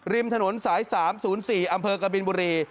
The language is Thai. ริมถนนสาย๓๐๔อำเภอกบินบุรี